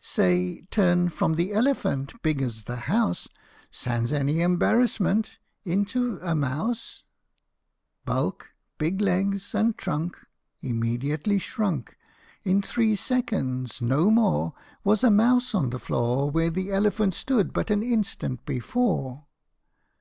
Say, turn from the elephant, big as the house, Sans any embarrassment, into a mouse ?" Bulk, big legs, and trunk Immediately shrunk ! In three seconds no more Was a mouse on the floor Where the elephant stood but an instant before.